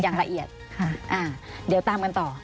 อย่างละเอียดค่ะอ่าเดี๋ยวตามกันต่อ